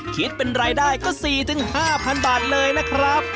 คิดเป็นรายได้ก็๔๕๐๐บาทเลยนะครับ